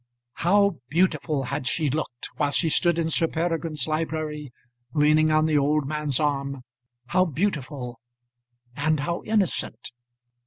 How beautiful had she looked while she stood in Sir Peregrine's library, leaning on the old man's arm how beautiful and how innocent!